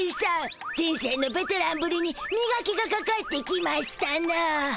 人生のベテランぶりにみがきがかかってきましたな。